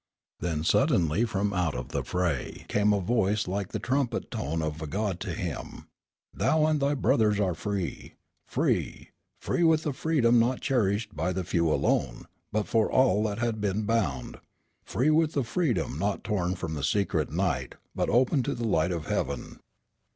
Then suddenly from out the fray came a voice like the trumpet tone of God to him: "Thou and thy brothers are free!" Free, free, with the freedom not cherished by the few alone, but for all that had been bound. Free, with the freedom not torn from the secret night, but open to the light of heaven.